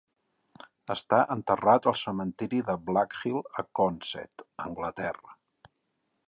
Està enterrat al cementeri de Blackhill a Consett, Anglaterra.